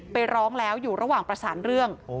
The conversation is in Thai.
ไปร้องแล้วอยู่ระหว่างประสานเรื่อง